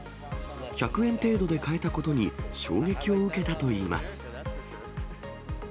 １００円程度で買えたことに衝撃を受けたといいます。